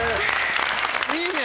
いいね